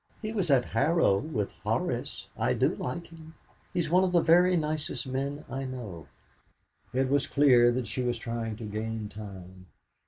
"He was at Harrow with Horace. I do like him. He is one of the very nicest men I know." It was clear that she was trying to gain time.